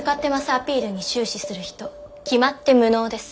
アピールに終始する人決まって無能です。